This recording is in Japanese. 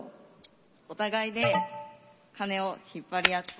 お互いで鉦を引っ張り合って。